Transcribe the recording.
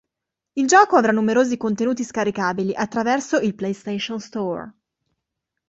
Il gioco avrà numerosi contenuti scaricabili attraverso il PlayStation Store.